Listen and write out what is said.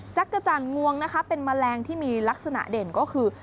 จักรจรงวงเป็นแมลงที่มีลักษณะเด่นก็คือ